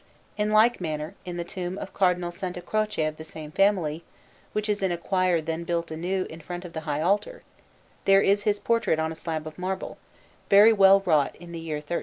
In like manner, in the tomb of Cardinal Santa Croce of the same family, which is in a choir then built anew in front of the high altar, there is his portrait on a slab of marble, very well wrought in the year 1390.